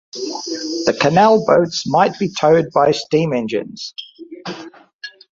The canal boats might be towed by steam-engines.